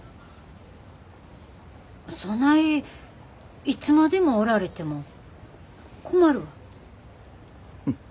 そないいつまでもおられても困るわ。